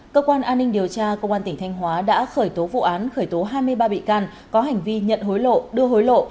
cơ quan an ninh điều tra công an tỉnh thanh hóa đã khởi tố vụ án khởi tố hai mươi ba bị can có hành vi nhận hối lộ đưa hối lộ